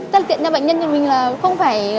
tất tiện cho bệnh nhân như mình là không phải